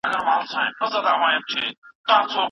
خپل ورېښتان په مناسب وخت کي په پوره ترتیب سره ږمنځ کوئ.